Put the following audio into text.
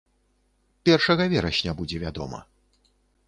Першага верасня будзе вядома.